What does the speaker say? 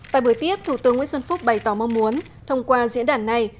tại buổi tiếp thủ tướng nguyễn xuân phúc bày tỏ mong muốn thông qua diễn đàn này